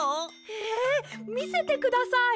へえみせてください。